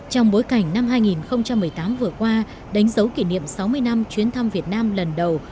trong bối cảnh năm hai nghìn một mươi tám vừa qua đánh dấu kỷ niệm sáu mươi năm chuyến thăm việt nam lần đầu